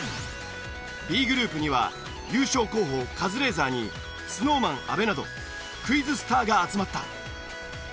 Ｂグループには優勝候補カズレーザーにＳｎｏｗＭａｎ阿部などクイズスターが集まった。